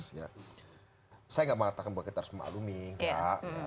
saya tidak mengatakan bahwa kita harus memaklumi enggak